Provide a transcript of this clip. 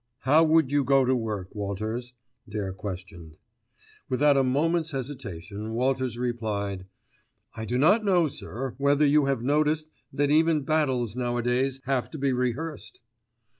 "How would you go to work, Walters?" Dare questioned. Without a moment's hesitation Walters replied, "I do not know, sir, whether you have noticed that even battles now a days have to be rehearsed."